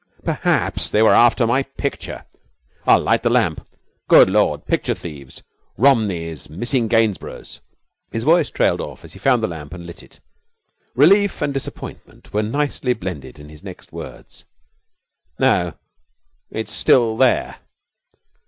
'Perhaps they were after my picture. I'll light the lamp. Good Lord, picture thieves Romneys missing Gainsboroughs ' His voice trailed off as he found the lamp and lit it. Relief and disappointment were nicely blended in his next words: 'No, it's still there.'